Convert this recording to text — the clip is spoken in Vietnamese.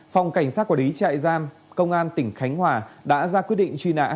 phòng cảnh sát quản lý trại giam công an tỉnh khánh hòa đã ra quyết định truy nã